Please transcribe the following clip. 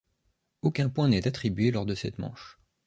Aucun point n'est attribué lors de cette manche.